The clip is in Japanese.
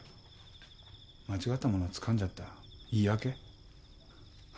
間違ったものをつかんじゃった言い訳？